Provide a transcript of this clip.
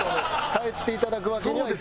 帰っていただくわけにはいきません。